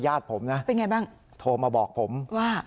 ญาติผมนะโทรมาบอกผมว่า